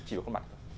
chỉ vào khuôn mặt